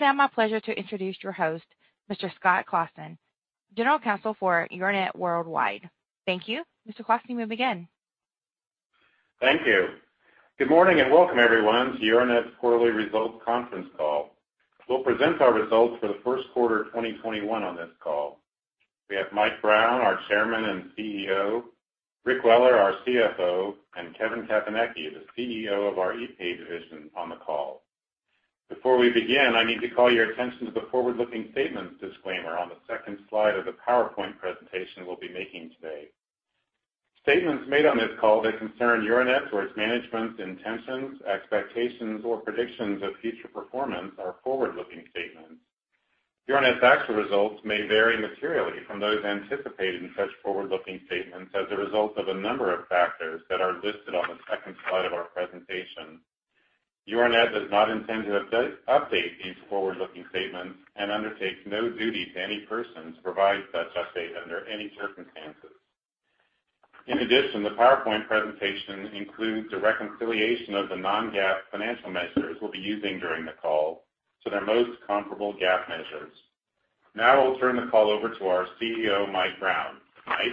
Now my pleasure to introduce your host, Mr. Scott Claassen, General Counsel for Euronet Worldwide. Thank you. Mr. Claassen, you may begin. Thank you. Good morning and welcome everyone to Euronet's quarterly results conference call. We'll present our results for the first quarter of 2021 on this call. We have Mike Brown, our Chairman and CEO, Rick Weller, our CFO, and Kevin Caponecchi, the CEO of our epay division on the call. Before we begin, I need to call your attention to the forward-looking statements disclaimer on the second slide of the PowerPoint presentation we'll be making today. Statements made on this call that concern Euronet's or its management's intentions, expectations, or predictions of future performance are forward-looking statements. Euronet's actual results may vary materially from those anticipated in such forward-looking statements as a result of a number of factors that are listed on the second slide of our presentation. Euronet does not intend to update these forward-looking statements and undertakes no duty to any person to provide such update under any circumstances. In addition, the PowerPoint presentation includes a reconciliation of the non-GAAP financial measures we'll be using during the call to their most comparable GAAP measures. Now I'll turn the call over to our CEO, Mike Brown. Mike?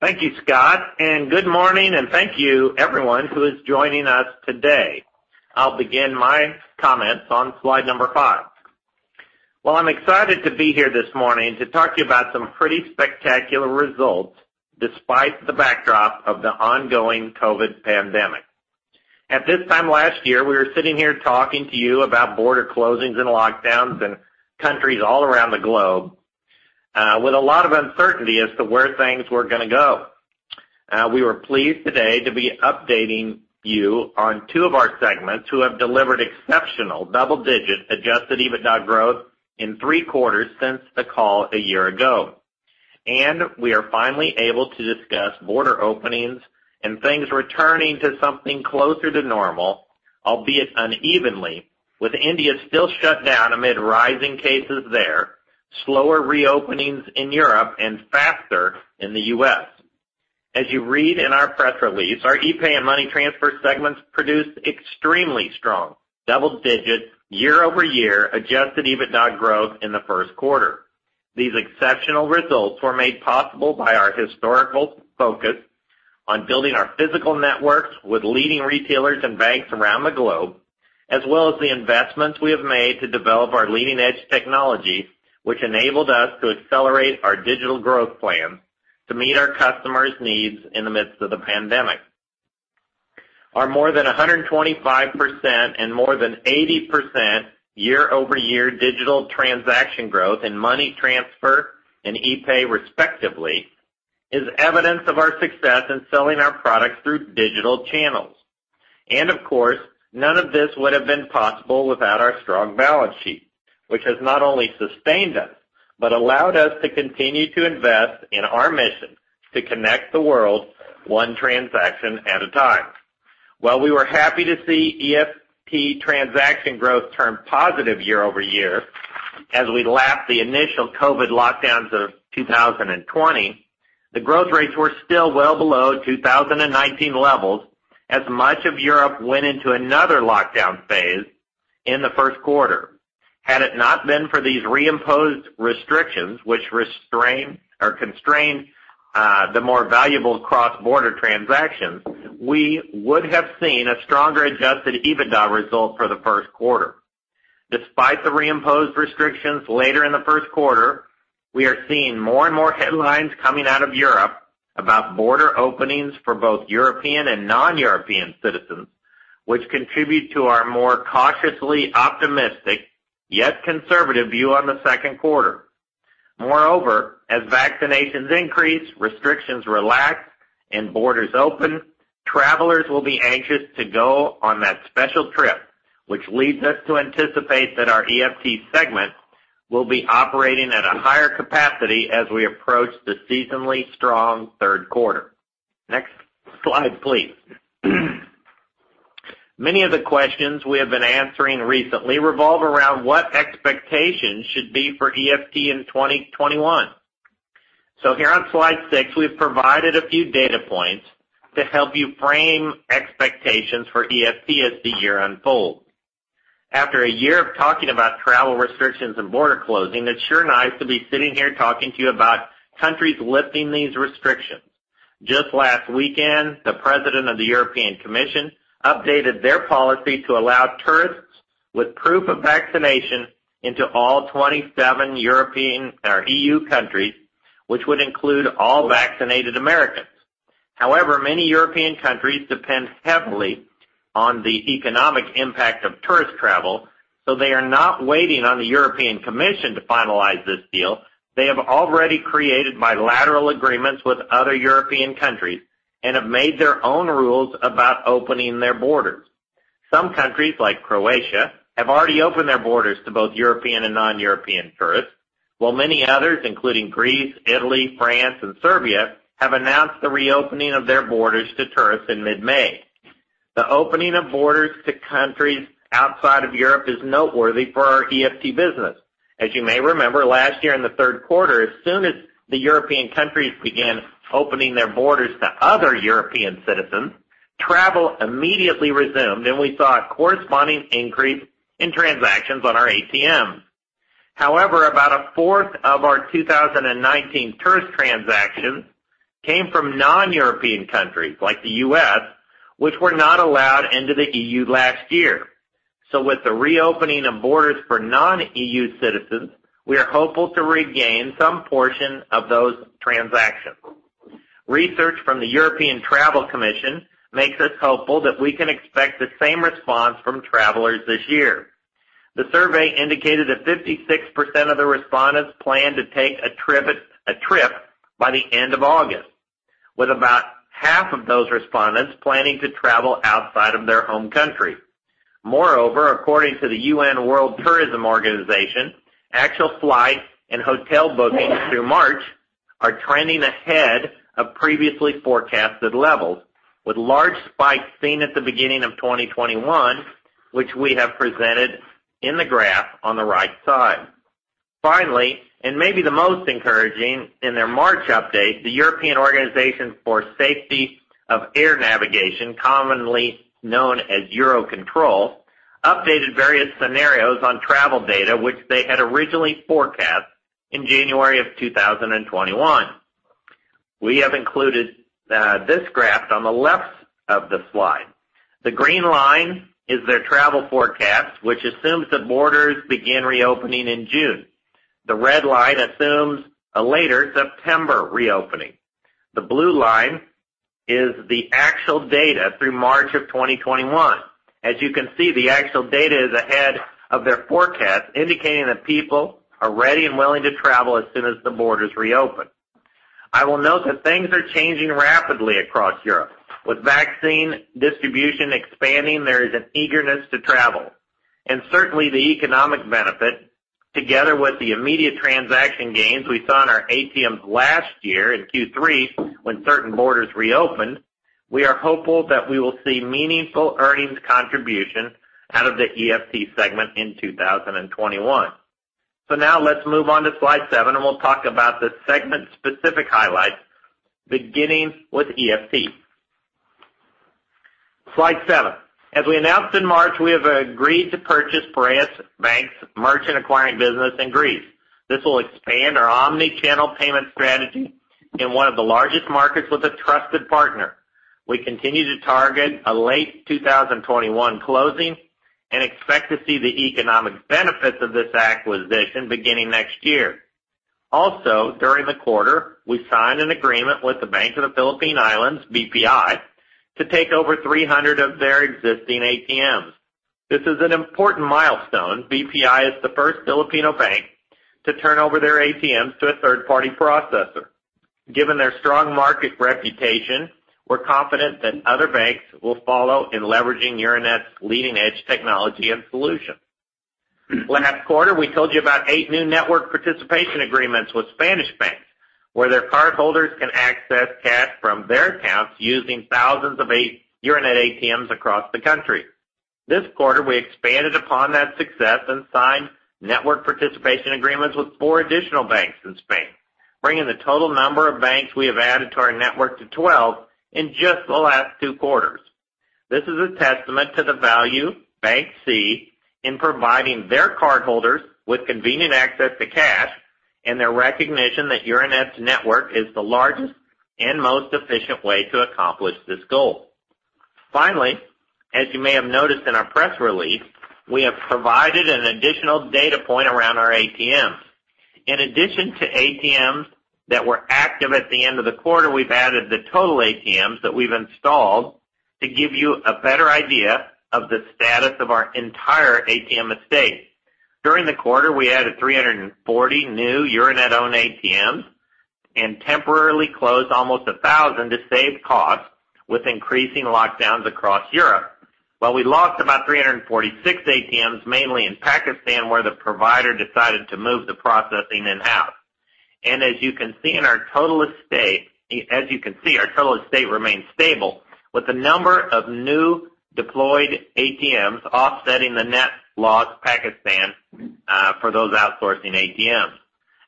Thank you, Scott, and good morning and thank you everyone who is joining us today. I'll begin my comments on slide number five. Well, I'm excited to be here this morning to talk to you about some pretty spectacular results despite the backdrop of the ongoing COVID pandemic. At this time last year, we were sitting here talking to you about border closings and lockdowns in countries all around the globe, with a lot of uncertainty as to where things were going to go. We are pleased today to be updating you on two of our segments who have delivered exceptional double-digit adjusted EBITDA growth in three quarters since the call a year ago. We are finally able to discuss border openings and things returning to something closer to normal, albeit unevenly, with India still shut down amid rising cases there, slower reopenings in Europe and faster in the U.S. As you read in our press release, our epay and Money Transfer segments produced extremely strong, double-digit, year-over-year adjusted EBITDA growth in the first quarter. These exceptional results were made possible by our historical focus on building our physical networks with leading retailers and banks around the globe, as well as the investments we have made to develop our leading-edge technology, which enabled us to accelerate our digital growth plans to meet our customers' needs in the midst of the pandemic. Our more than 125% and more than 80% year-over-year digital transaction growth in Money Transfer and epay respectively, is evidence of our success in selling our products through digital channels. Of course, none of this would have been possible without our strong balance sheet, which has not only sustained us but allowed us to continue to invest in our mission to connect the world one transaction at a time. While we were happy to see EFT transaction growth turn positive year-over-year as we lapped the initial COVID lockdowns of 2020, the growth rates were still well below 2019 levels as much of Europe went into another lockdown phase in the first quarter. Had it not been for these reimposed restrictions, which constrained the more valuable cross-border transactions, we would have seen a stronger adjusted EBITDA result for the first quarter. Despite the reimposed restrictions later in the first quarter, we are seeing more and more headlines coming out of Europe about border openings for both European and non-European citizens, which contribute to our more cautiously optimistic, yet conservative view on the second quarter. Moreover, as vaccinations increase, restrictions relax, and borders open, travelers will be anxious to go on that special trip, which leads us to anticipate that our EFT segment will be operating at a higher capacity as we approach the seasonally strong third quarter. Next slide, please. Many of the questions we have been answering recently revolve around what expectations should be for EFT in 2021. Here on slide six, we've provided a few data points to help you frame expectations for EFT as the year unfolds. After a year of talking about travel restrictions and border closing, it's sure nice to be sitting here talking to you about countries lifting these restrictions. Just last weekend, the President of the European Commission updated their policy to allow tourists with proof of vaccination into all 27 European or EU countries, which would include all vaccinated Americans. Many European countries depend heavily on the economic impact of tourist travel, they are not waiting on the European Commission to finalize this deal. They have already created bilateral agreements with other European countries and have made their own rules about opening their borders. Some countries, like Croatia, have already opened their borders to both European and non-European tourists, while many others, including Greece, Italy, France, and Serbia, have announced the reopening of their borders to tourists in mid-May. The opening of borders to countries outside of Europe is noteworthy for our EFT business. As you may remember, last year in the third quarter, as soon as the European countries began opening their borders to other European citizens, travel immediately resumed, and we saw a corresponding increase in transactions on our ATMs. However, about a fourth of our 2019 tourist transactions came from non-European countries like the U.S., which were not allowed into the EU last year. With the reopening of borders for non-EU citizens, we are hopeful to regain some portion of those transactions. Research from the European Travel Commission makes us hopeful that we can expect the same response from travelers this year. The survey indicated that 56% of the respondents plan to take a trip by the end of August, with about half of those respondents planning to travel outside of their home country. Moreover, according to the UN World Tourism Organization, actual flight and hotel bookings through March are trending ahead of previously forecasted levels, with large spikes seen at the beginning of 2021, which we have presented in the graph on the right side. Finally, and maybe the most encouraging, in their March update, the European Organisation for the Safety of Air Navigation, commonly known as Eurocontrol, updated various scenarios on travel data, which they had originally forecast in January of 2021. We have included this graph on the left of the slide. The green line is their travel forecast, which assumes that borders begin reopening in June. The red line assumes a later September reopening. The blue line is the actual data through March of 2021. As you can see, the actual data is ahead of their forecast, indicating that people are ready and willing to travel as soon as the borders reopen. I will note that things are changing rapidly across Europe. With vaccine distribution expanding, there is an eagerness to travel. Certainly the economic benefit, together with the immediate transaction gains we saw in our ATMs last year in Q3 when certain borders reopened, we are hopeful that we will see meaningful earnings contribution out of the EFT segment in 2021. Now let's move on to slide seven, and we'll talk about the segment-specific highlights, beginning with EFT. Slide seven. As we announced in March, we have agreed to purchase Piraeus Bank's Merchant Acquiring business in Greece. This will expand our omnichannel payment strategy in one of the largest markets with a trusted partner. We continue to target a late 2021 closing and expect to see the economic benefits of this acquisition beginning next year. Also, during the quarter, we signed an agreement with the Bank of the Philippine Islands, BPI, to take over 300 of their existing ATMs. This is an important milestone. BPI is the first Filipino bank to turn over their ATMs to a third-party processor. Given their strong market reputation, we're confident that other banks will follow in leveraging Euronet's leading-edge technology and solutions. Last quarter, we told you about eight new network participation agreements with Spanish banks, where their cardholders can access cash from their accounts using thousands of Euronet ATMs across the country. This quarter, we expanded upon that success and signed network participation agreements with four additional banks in Spain, bringing the total number of banks we have added to our network to 12 in just the last two quarters. This is a testament to the value banks see in providing their cardholders with convenient access to cash and their recognition that Euronet's network is the largest and most efficient way to accomplish this goal. Finally, as you may have noticed in our press release, we have provided an additional data point around our ATMs. In addition to ATMs that were active at the end of the quarter, we've added the total ATMs that we've installed to give you a better idea of the status of our entire ATM estate. During the quarter, we added 340 new Euronet-owned ATMs and temporarily closed almost 1,000 to save costs with increasing lockdowns across Europe. While we lost about 346 ATMs, mainly in Pakistan, where the provider decided to move the processing in-house. As you can see, our total estate remains stable, with the number of new deployed ATMs offsetting the net loss Pakistan for those outsourcing ATMs.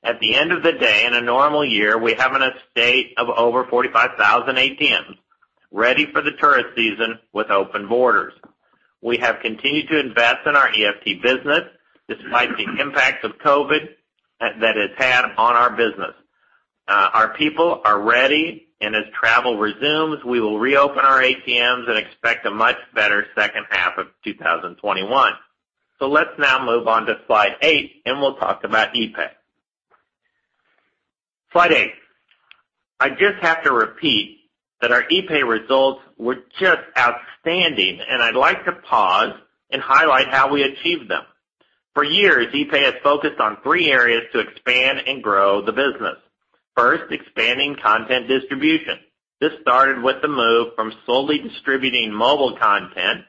At the end of the day, in a normal year, we have an estate of over 45,000 ATMs ready for the tourist season with open borders. We have continued to invest in our EFT business despite the impact of COVID that it's had on our business. Our people are ready, and as travel resumes, we will reopen our ATMs and expect a much better second half of 2021. Let's now move on to slide eight, and we'll talk about epay. Slide eight. I just have to repeat that our epay results were just outstanding, and I'd like to pause and highlight how we achieved them. For years, epay has focused on three areas to expand and grow the business. First, expanding content distribution. This started with the move from solely distributing mobile content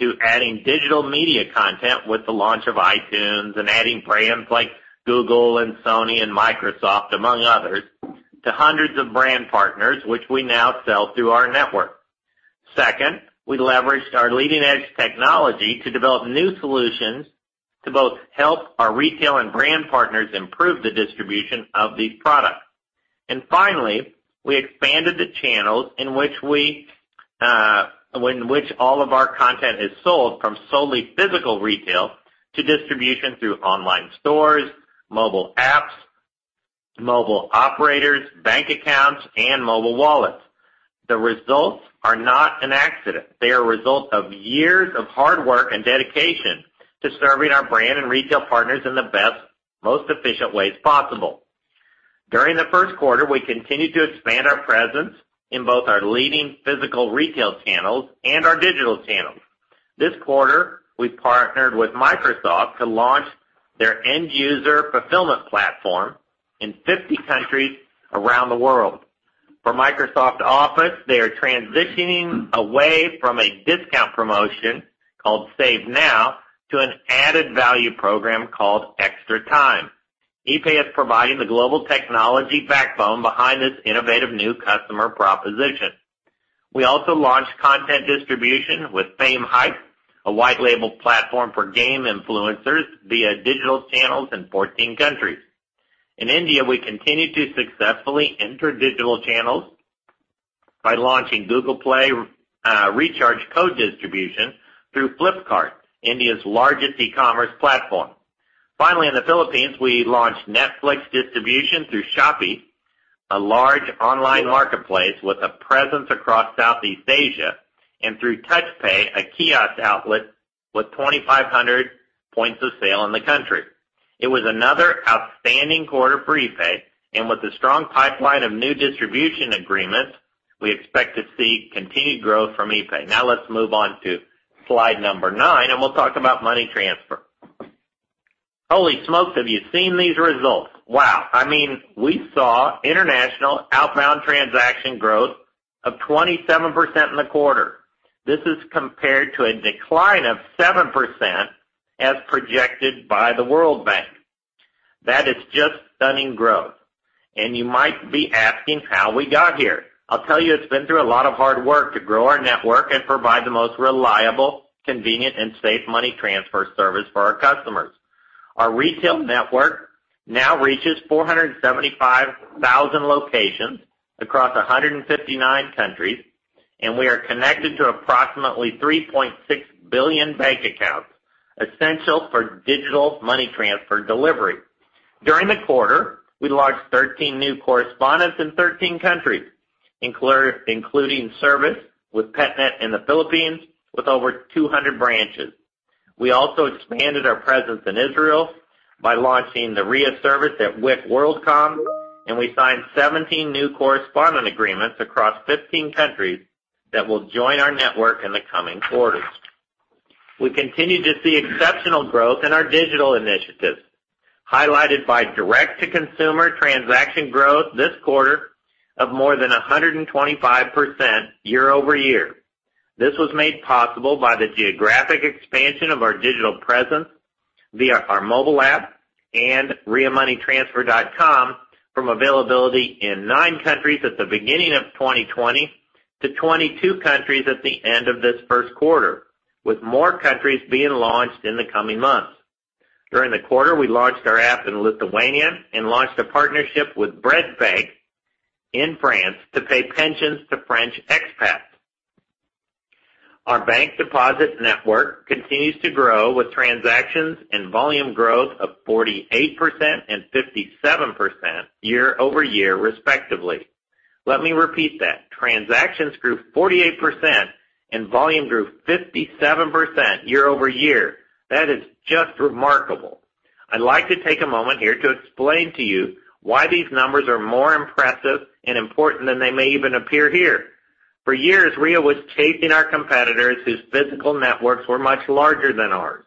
to adding digital media content with the launch of iTunes and adding brands like Google and Sony and Microsoft, among others, to hundreds of brand partners, which we now sell through our network. Second, we leveraged our leading-edge technology to develop new solutions to both help our retail and brand partners improve the distribution of these products. Finally, we expanded the channels in which all of our content is sold from solely physical retail to distribution through online stores, mobile apps, mobile operators, bank accounts, and mobile wallets. The results are not an accident. They are a result of years of hard work and dedication to serving our brand and retail partners in the best, most efficient ways possible. During the first quarter, we continued to expand our presence in both our leading physical retail channels and our digital channels. This quarter, we partnered with Microsoft to launch their end-user fulfillment platform in 50 countries around the world. For Microsoft Office, they are transitioning away from a discount promotion called Save Now to an added-value program called Extra Time. Epay is providing the global technology backbone behind this innovative new customer proposition. We also launched content distribution with Famehype, a white label platform for game influencers via digital channels in 14 countries. In India, we continue to successfully enter digital channels by launching Google Play recharge code distribution through Flipkart, India's largest e-commerce platform. Finally, in the Philippines, we launched Netflix distribution through Shopee, a large online marketplace with a presence across Southeast Asia, and through TouchPay, a kiosk outlet with 2,500 points-of-sale in the country. It was another outstanding quarter for epay, and with a strong pipeline of new distribution agreements, we expect to see continued growth from epay. Now let's move on to slide number nine, and we'll talk about money transfer. Holy smokes, have you seen these results? Wow. We saw international outbound transaction growth of 27% in the quarter. This is compared to a decline of 7% as projected by the World Bank. That is just stunning growth. You might be asking how we got here. I'll tell you, it's been through a lot of hard work to grow our network and provide the most reliable, convenient, and safe money transfer service for our customers. Our retail network now reaches 475,000 locations across 159 countries, and we are connected to approximately 3.6 billion bank accounts, essential for digital money transfer delivery. During the quarter, we launched 13 new correspondents in 13 countries, including service with PETNET in the Philippines with over 200 branches. We also expanded our presence in Israel by launching the Ria service at WIC WorldCom, and we signed 17 new correspondent agreements across 15 countries that will join our network in the coming quarters. We continue to see exceptional growth in our digital initiatives, highlighted by direct-to-consumer transaction growth this quarter of more than 125% year-over-year. This was made possible by the geographic expansion of our digital presence via our mobile app and riamoneytransfer.com from availability in nine countries at the beginning of 2020 to 22 countries at the end of this first quarter, with more countries being launched in the coming months. During the quarter, we launched our app in Lithuania and launched a partnership with BRED Banque in France to pay pensions to French expats. Our bank deposit network continues to grow with transactions and volume growth of 48% and 57% year-over-year, respectively. Let me repeat that. Transactions grew 48% and volume grew 57% year-over-year. That is just remarkable. I'd like to take a moment here to explain to you why these numbers are more impressive and important than they may even appear here. For years, Ria was chasing our competitors whose physical networks were much larger than ours.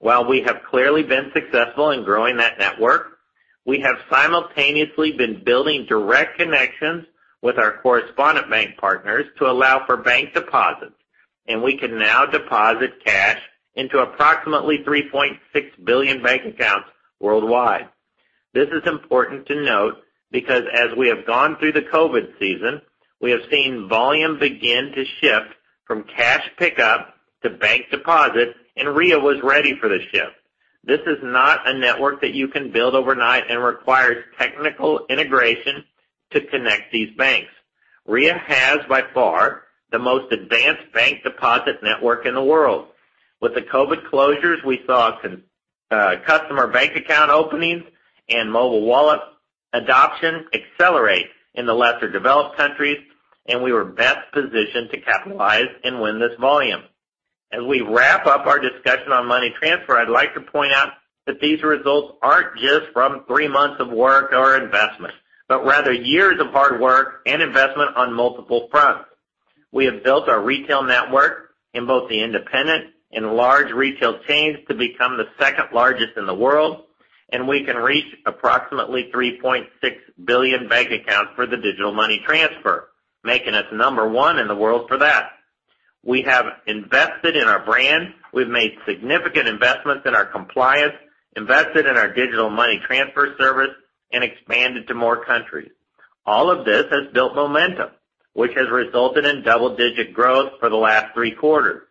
While we have clearly been successful in growing that network, we have simultaneously been building direct connections with our correspondent bank partners to allow for bank deposits, and we can now deposit cash into approximately 3.6 billion bank accounts worldwide. This is important to note because as we have gone through the COVID season, we have seen volume begin to shift from cash pickup to bank deposits, and Ria was ready for the shift. This is not a network that you can build overnight and requires technical integration to connect these banks. Ria has, by far, the most advanced bank deposit network in the world. With the COVID closures, we saw customer bank account openings and mobile wallet adoption accelerate in the lesser developed countries, and we were best positioned to capitalize and win this volume. As we wrap up our discussion on Money Transfer, I'd like to point out that these results aren't just from three months of work or investment, but rather years of hard work and investment on multiple fronts. We have built our retail network in both the independent and large retail chains to become the second largest in the world. We can reach approximately 3.6 billion bank accounts for the digital money transfer, making us number one in the world for that. We have invested in our brand, we've made significant investments in our compliance, invested in our digital money transfer service, and expanded to more countries. All of this has built momentum, which has resulted in double-digit growth for the last three quarters.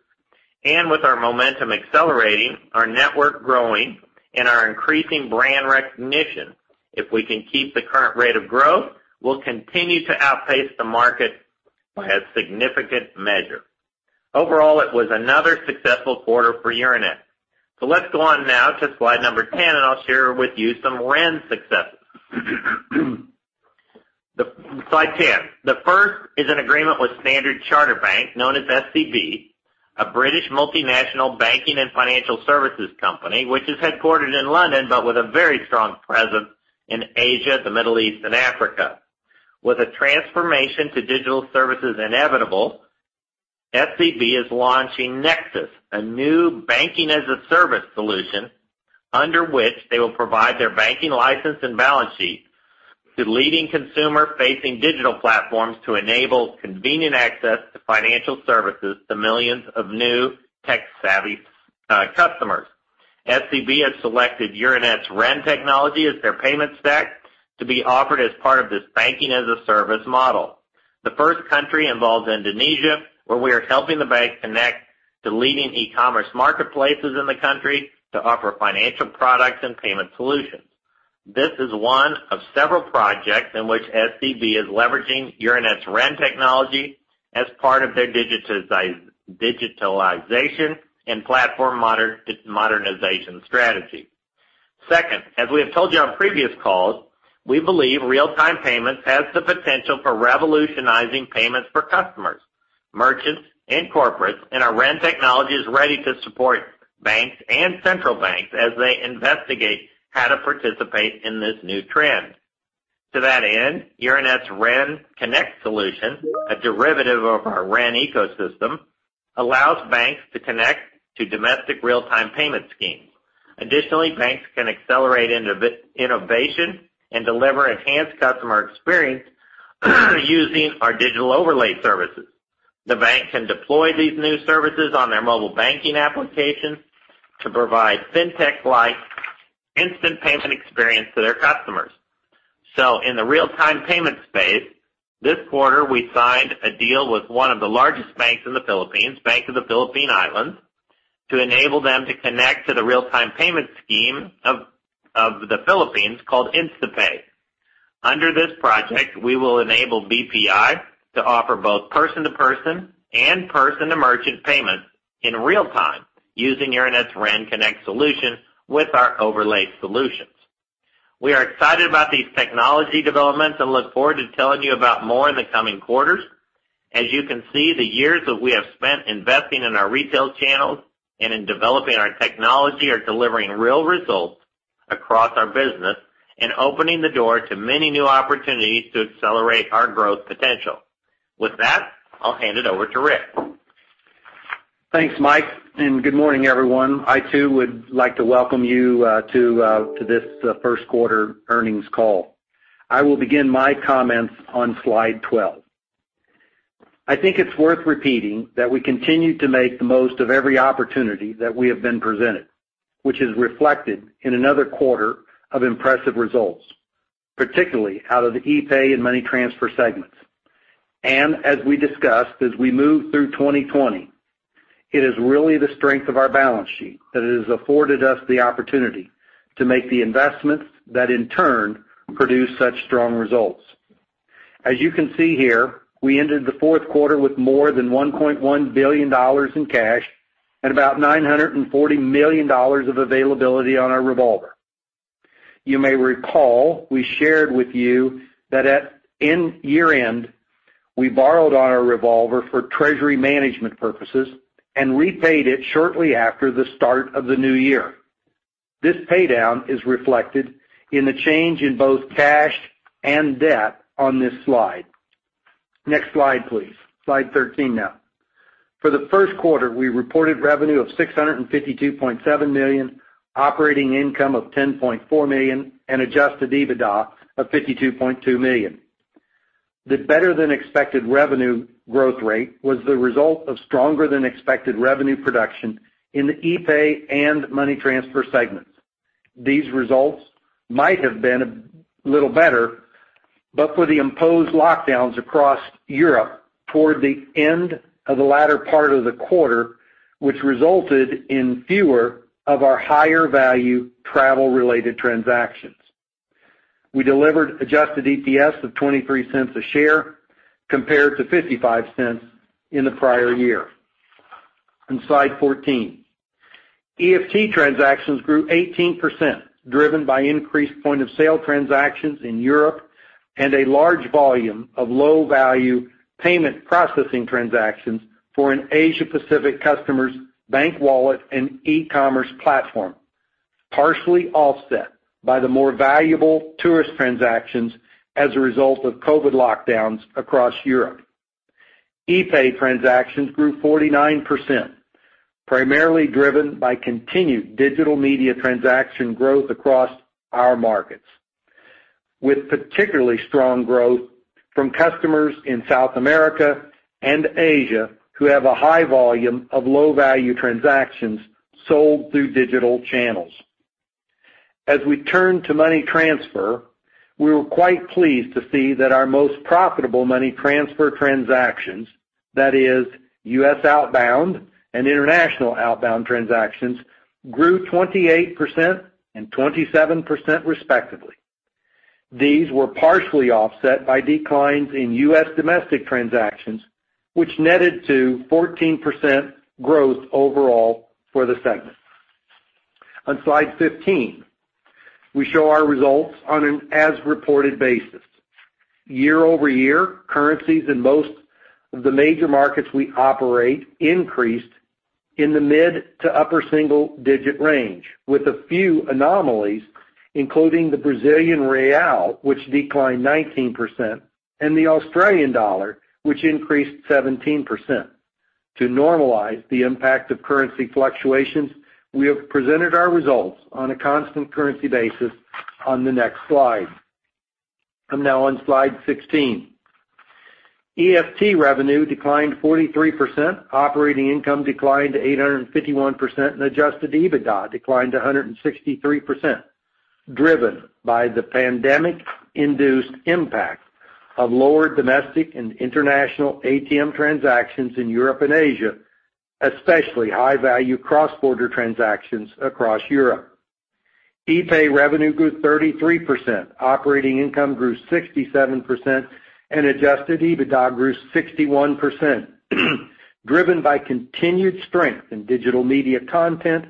With our momentum accelerating, our network growing, and our increasing brand recognition, if we can keep the current rate of growth, we'll continue to outpace the market by a significant measure. Overall, it was another successful quarter for Euronet. Let's go on now to slide number 10. I'll share with you some REN successes. Slide 10. The first is an agreement with Standard Chartered Bank, known as SCB, a British multinational banking and financial services company, which is headquartered in London, but with a very strong presence in Asia, the Middle East, and Africa. With a transformation to digital services inevitable, SCB is launching Nexus, a new Banking-as-a-Service solution, under which they will provide their banking license and balance sheet to leading consumer-facing digital platforms to enable convenient access to financial services to millions of new tech-savvy customers. SCB has selected Euronet's REN technology as their payment stack to be offered as part of this Banking-as-a-Service model. The first country involves Indonesia, where we are helping the bank connect to leading e-commerce marketplaces in the country to offer financial products and payment solutions. This is one of several projects in which SCB is leveraging Euronet's REN technology as part of their digitalization and platform modernization strategy. Second, as we have told you on previous calls, we believe real-time payments has the potential for revolutionizing payments for customers, merchants, and corporates, and our REN technology is ready to support banks and central banks as they investigate how to participate in this new trend. To that end, Euronet's REN Connect solution, a derivative of our REN ecosystem, allows banks to connect to domestic real-time payment schemes. Additionally, banks can accelerate innovation and deliver enhanced customer experience using our digital overlay services. The bank can deploy these new services on their mobile banking applications to provide fintech-like instant payment experience to their customers. In the real-time payment space, this quarter, we signed a deal with one of the largest banks in the Philippines, Bank of the Philippine Islands, to enable them to connect to the real-time payment scheme of the Philippines called InstaPay. Under this project, we will enable BPI to offer both person-to-person and person-to-merchant payments in real time using Euronet's REN Connect solution with our overlay solutions. We are excited about these technology developments and look forward to telling you about more in the coming quarters. As you can see, the years that we have spent investing in our retail channels and in developing our technology are delivering real results across our business and opening the door to many new opportunities to accelerate our growth potential. With that, I'll hand it over to Rick. Thanks, Mike. Good morning, everyone. I too would like to welcome you to this first quarter earnings call. I will begin my comments on slide 12. I think it's worth repeating that we continue to make the most of every opportunity that we have been presented, which is reflected in another quarter of impressive results, particularly out of the epay and Money Transfer segments. As we discussed, as we move through 2020, it is really the strength of our balance sheet that has afforded us the opportunity to make the investments that in turn produce such strong results. As you can see here, we ended the fourth quarter with more than $1.1 billion in cash and about $940 million of availability on our revolver. You may recall we shared with you that at year-end, we borrowed on our revolver for Treasury management purposes and repaid it shortly after the start of the new year. This paydown is reflected in the change in both cash and debt on this slide. Next slide, please. Slide 13 now. For the first quarter, we reported revenue of $652.7 million, operating income of $10.4 million, and adjusted EBITDA of $52.2 million. The better-than-expected revenue growth rate was the result of stronger-than-expected revenue production in the epay and Money Transfer segments. These results might have been a little better, but for the imposed lockdowns across Europe toward the end of the latter part of the quarter, which resulted in fewer of our higher-value travel-related transactions. We delivered adjusted EPS of $0.23 a share compared to $0.55 in the prior year. On slide 14. EFT transactions grew 18%, driven by increased point-of-sale transactions in Europe and a large volume of low-value payment processing transactions for an Asia-Pacific customer's bank wallet and e-commerce platform, partially offset by the more valuable tourist transactions as a result of COVID lockdowns across Europe. Epay transactions grew 49%, primarily driven by continued digital media transaction growth across our markets, with particularly strong growth from customers in South America and Asia who have a high volume of low-value transactions sold through digital channels. As we turn to Money Transfer, we were quite pleased to see that our most profitable money transfer transactions, that is, U.S. outbound and international outbound transactions, grew 28% and 27% respectively. These were partially offset by declines in U.S. domestic transactions, which netted to 14% growth overall for the segment. On slide 15, we show our results on an as-reported basis. Year-over-year, currencies in most of the major markets we operate increased in the mid to upper single-digit range, with a few anomalies, including the Brazilian real, which declined 19%, and the Australian dollar, which increased 17%. To normalize the impact of currency fluctuations, we have presented our results on a constant currency basis on the next slide. I'm now on slide 16. EFT revenue declined 43%, operating income declined 851%, and adjusted EBITDA declined 163%, driven by the pandemic-induced impact of lower domestic and international ATM transactions in Europe and Asia, especially high-value cross-border transactions across Europe. Epay revenue grew 33%, operating income grew 67%, and adjusted EBITDA grew 61%, driven by continued strength in digital media content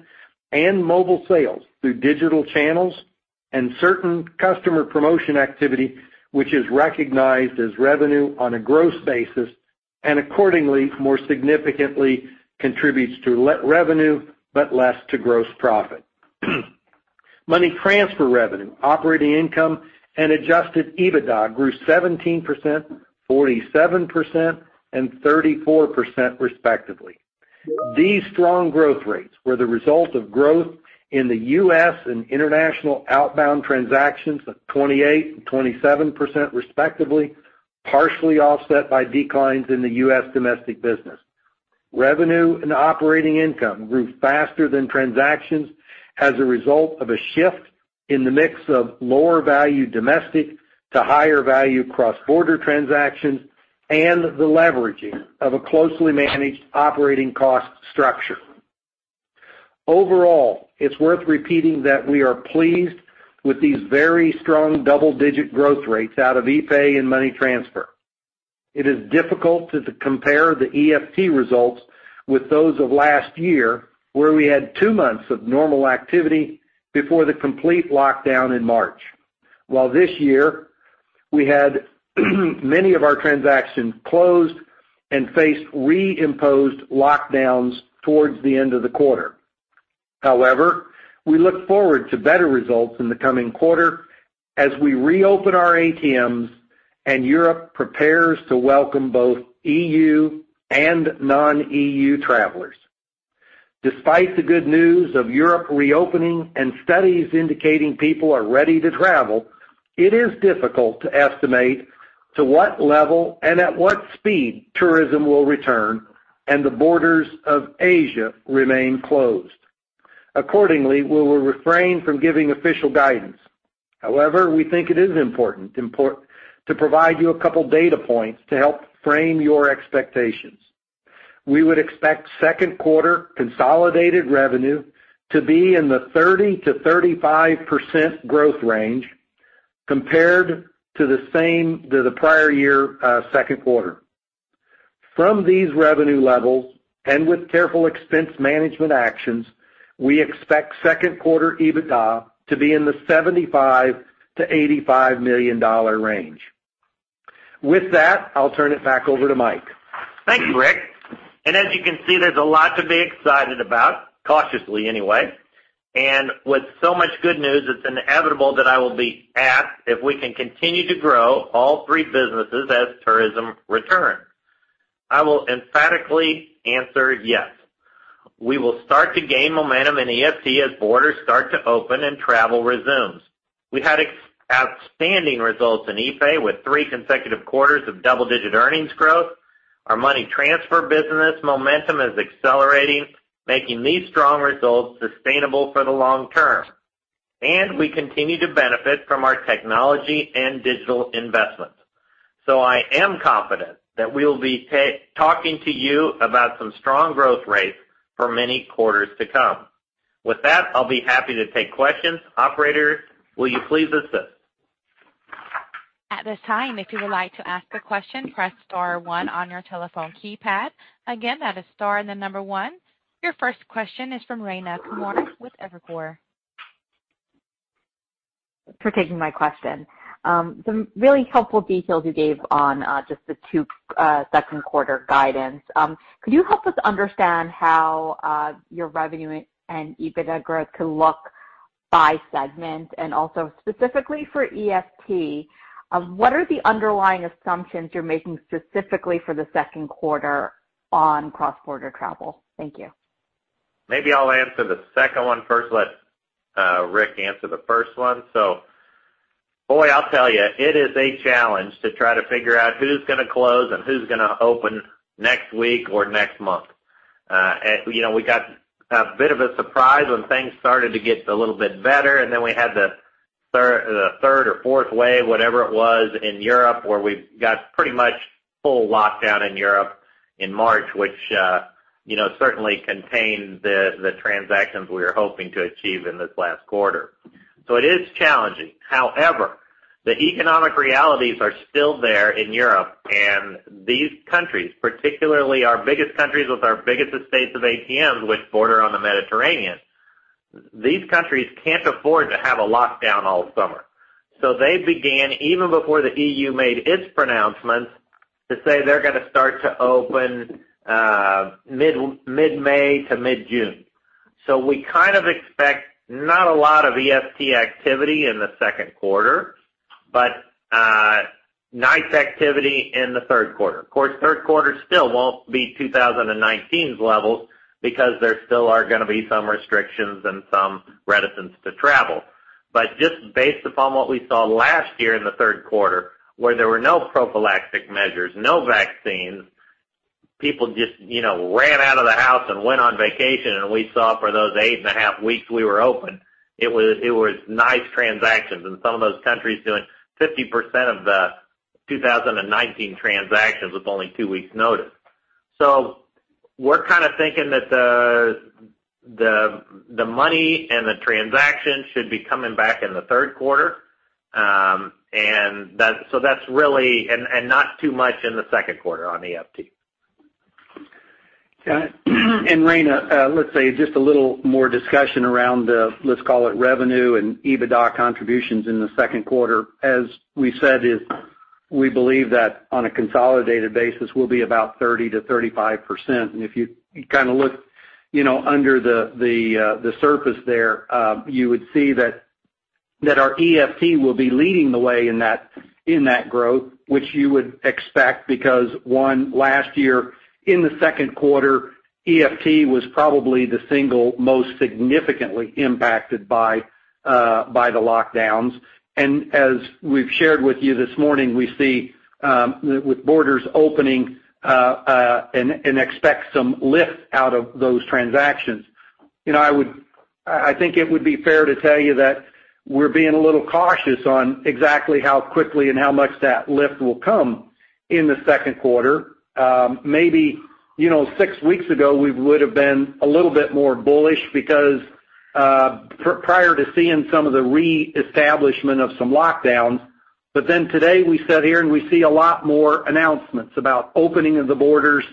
and mobile sales through digital channels and certain customer promotion activity, which is recognized as revenue on a gross basis and accordingly, more significantly contributes to revenue but less to gross profit. Money transfer revenue, operating income, and adjusted EBITDA grew 17%, 47%, and 34% respectively. These strong growth rates were the result of growth in the U.S. and international outbound transactions of 28% and 27% respectively, partially offset by declines in the U.S. domestic business. Revenue and operating income grew faster than transactions as a result of a shift in the mix of lower-value domestic to higher-value cross-border transactions and the leveraging of a closely managed operating cost structure. Overall, it's worth repeating that we are pleased with these very strong double-digit growth rates out of epay and money transfer. It is difficult to compare the EFT results with those of last year, where we had two months of normal activity before the complete lockdown in March. While this year, we had many of our transactions closed and faced re-imposed lockdowns towards the end of the quarter. We look forward to better results in the coming quarter as we reopen our ATMs and Europe prepares to welcome both EU and non-EU travelers. Despite the good news of Europe reopening and studies indicating people are ready to travel, it is difficult to estimate to what level and at what speed tourism will return, and the borders of Asia remain closed. We will refrain from giving official guidance. However, we think it is important to provide you a couple data points to help frame your expectations. We would expect second quarter consolidated revenue to be in the 30%-35% growth range compared to the prior year second quarter. From these revenue levels, and with careful expense management actions, we expect second quarter EBITDA to be in the $75 million-$85 million range. With that, I'll turn it back over to Mike. Thank you, Rick. As you can see, there's a lot to be excited about, cautiously anyway. With so much good news, it's inevitable that I will be asked if we can continue to grow all three businesses as tourism returns. I will emphatically answer yes. We will start to gain momentum in EFT as borders start to open and travel resumes. We've had outstanding results in epay, with three consecutive quarters of double-digit earnings growth. Our money transfer business momentum is accelerating, making these strong results sustainable for the long term. We continue to benefit from our technology and digital investments. I am confident that we will be talking to you about some strong growth rates for many quarters to come. With that, I'll be happy to take questions. Operator, will you please assist? At this time if you would like to ask a question press star one on your telephone keypad. Again that is star and the number one. Your first question is from Rayna Kumar with Evercore. For taking my question. Some really helpful details you gave on just the two second quarter guidance. Could you help us understand how your revenue and EBITDA growth could look by segment? Also specifically for EFT, what are the underlying assumptions you're making specifically for the second quarter on cross-border travel? Thank you. Maybe I'll answer the second one first. Let Rick answer the first one. Boy, I'll tell you, it is a challenge to try to figure out who's going to close and who's going to open next week or next month. We got a bit of a surprise when things started to get a little bit better, and then we had the third or fourth wave, whatever it was, in Europe, where we got pretty much full lockdown in Europe in March, which certainly contained the transactions we were hoping to achieve in this last quarter. It is challenging. However, the economic realities are still there in Europe and these countries, particularly our biggest countries with our biggest estates of ATMs, which border on the Mediterranean, these countries can't afford to have a lockdown all summer. They began, even before the EU made its pronouncements, to say they're going to start to open mid-May to mid-June. We kind of expect not a lot of EFT activity in the second quarter, but nice activity in the third quarter. Of course, third quarter still won't beat 2019's levels because there still are going to be some restrictions and some reticence to travel. Just based upon what we saw last year in the third quarter, where there were no prophylactic measures, no vaccines, people just ran out of the house and went on vacation. We saw for those eight and a half weeks we were open, it was nice transactions. Some of those countries doing 50% of the 2019 transactions with only two weeks' notice. We're kind of thinking that the money and the transactions should be coming back in the third quarter, and not too much in the second quarter on EFT. Rayna, let's say just a little more discussion around the, let's call it, revenue and EBITDA contributions in the second quarter. As we said is, we believe that on a consolidated basis, we'll be about 30%-35%. If you kind of look under the surface there, you would see that our EFT will be leading the way in that growth, which you would expect because, one, last year in the second quarter, EFT was probably the single most significantly impacted by the lockdowns. As we've shared with you this morning, we see with borders opening and expect some lift out of those transactions. I think it would be fair to tell you that we're being a little cautious on exactly how quickly and how much that lift will come in the second quarter. Maybe six weeks ago, we would've been a little bit more bullish because prior to seeing some of the reestablishment of some lockdowns. Today we sit here and we see a lot more announcements about opening of the borders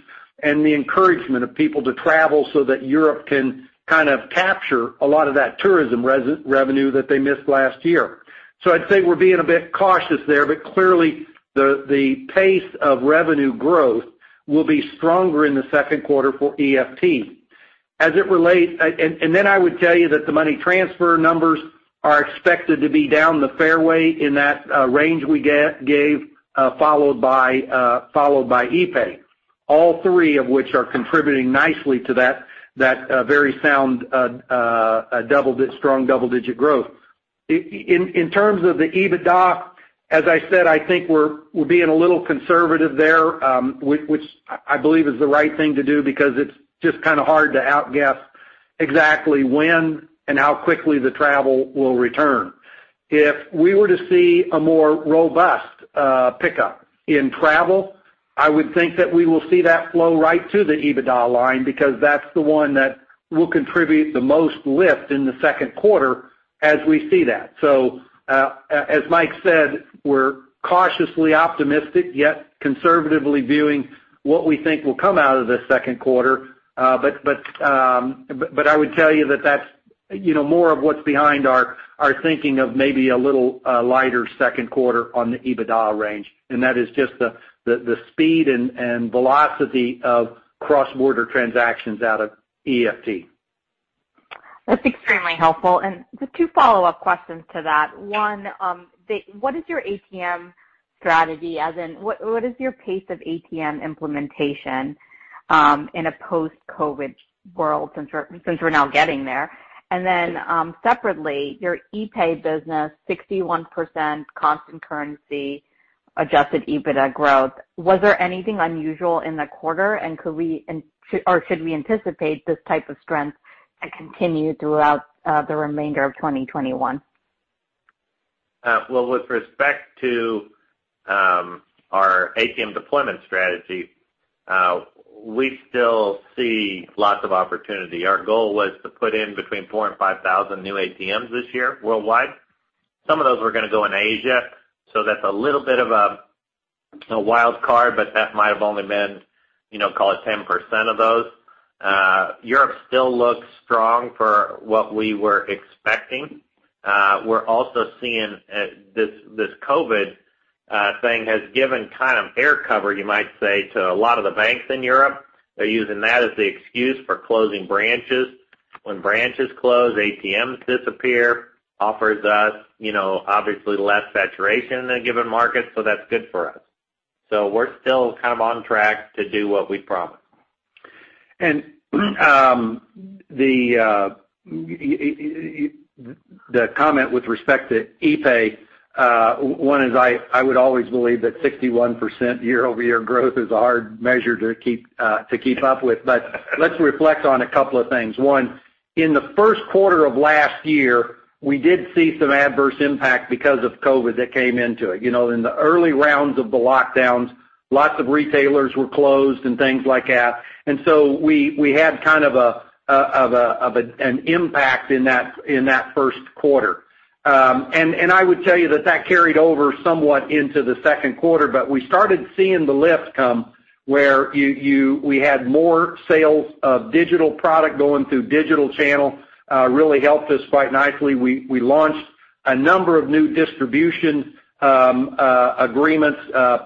and the encouragement of people to travel so that Europe can kind of capture a lot of that tourism revenue that they missed last year. I'd say we're being a bit cautious there, but clearly, the pace of revenue growth will be stronger in the second quarter for EFT. I would tell you that the Money Transfer numbers are expected to be down the fairway in that range we gave, followed by epay. All three of which are contributing nicely to that very sound strong double-digit growth. In terms of the EBITDA, as I said, I think we're being a little conservative there, which I believe is the right thing to do because it's just kind of hard to outguess exactly when and how quickly the travel will return. If we were to see a more robust pickup in travel, I would think that we will see that flow right to the EBITDA line because that's the one that will contribute the most lift in the second quarter as we see that. As Mike said, we're cautiously optimistic, yet conservatively viewing what we think will come out of this second quarter. I would tell you that that's more of what's behind our thinking of maybe a little lighter second quarter on the EBITDA range. That is just the speed and velocity of cross-border transactions out of EFT. That's extremely helpful. Just two follow-up questions to that. One, what is your ATM strategy, as in what is your pace of ATM implementation in a post-COVID world, since we're now getting there? Separately, your epay business, 61% constant currency adjusted EBITDA growth. Was there anything unusual in the quarter? Should we anticipate this type of strength to continue throughout the remainder of 2021? With respect to our ATM deployment strategy, we still see lots of opportunity. Our goal was to put in between 4,000 and 5,000 new ATMs this year worldwide. Some of those were going to go in Asia, so that's a little bit of a wild card, but that might have only been, call it 10% of those. Europe still looks strong for what we were expecting. We're also seeing this COVID thing has given kind of air cover, you might say, to a lot of the banks in Europe. They're using that as the excuse for closing branches. When branches close, ATMs disappear, offers us obviously less saturation in a given market, that's good for us. We're still kind of on track to do what we promised. The comment with respect to epay, one is I would always believe that 61% year-over-year growth is a hard measure to keep up with. Let's reflect on a couple of things. One, in the first quarter of last year, we did see some adverse impact because of COVID that came into it. In the early rounds of the lockdowns, lots of retailers were closed and things like that. We had kind of an impact in that first quarter. I would tell you that carried over somewhat into the second quarter, but we started seeing the lift come where we had more sales of digital product going through digital channel, really helped us quite nicely. We launched a number of new distribution agreements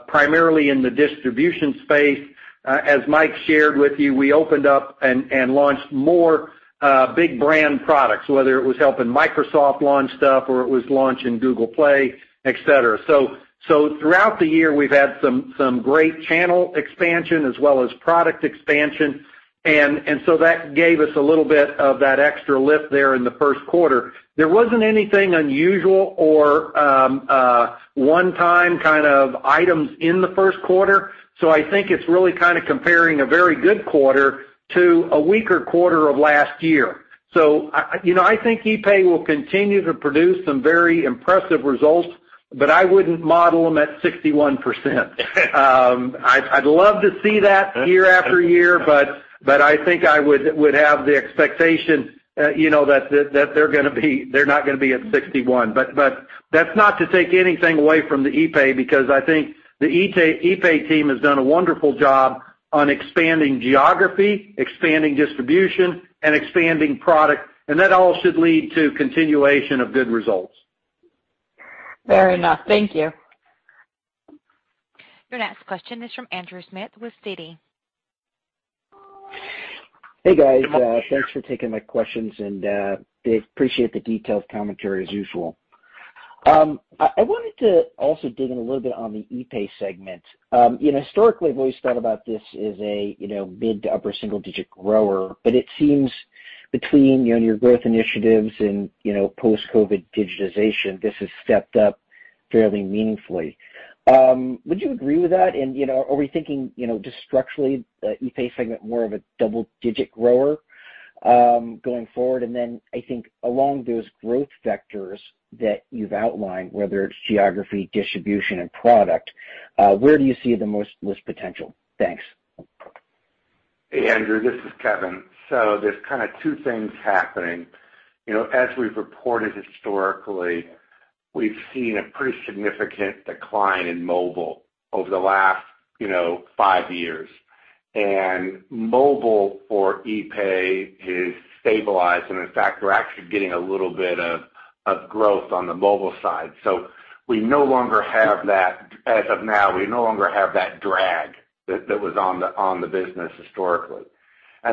primarily in the distribution space. As Mike shared with you, we opened up and launched more big brand products, whether it was helping Microsoft launch stuff or it was launching Google Play, et cetera. Throughout the year, we've had some great channel expansion as well as product expansion, and so that gave us a little bit of that extra lift there in the first quarter. There wasn't anything unusual or one-time kind of items in the first quarter. I think it's really kind of comparing a very good quarter to a weaker quarter of last year. I think epay will continue to produce some very impressive results, but I wouldn't model them at 61%. I'd love to see that year-after-year, but I think I would have the expectation that they're not going to be at 61%. That's not to take anything away from the epay because I think the epay team has done a wonderful job on expanding geography, expanding distribution, and expanding product, and that all should lead to continuation of good results. Fair enough. Thank you. Your next question is from Andrew Schmidt with Citi. Hey, guys. Thanks for taking my questions and appreciate the detailed commentary as usual. I wanted to also dig in a little bit on the epay segment. Historically, I've always thought about this as a mid- to upper-single-digit grower, but it seems between your growth initiatives and post-COVID digitization, this has stepped up fairly meaningfully. Would you agree with that? Are we thinking just structurally, epay segment more of a double-digit grower going forward? I think along those growth vectors that you've outlined, whether it's geography, distribution, and product, where do you see the most potential? Thanks. Hey, Andrew. This is Kevin. There's kind of two things happening. As we've reported historically, we've seen a pretty significant decline in mobile over the last five years, and mobile for epay has stabilized, and in fact, we're actually getting a little bit of growth on the mobile side. As of now, we no longer have that drag that was on the business historically.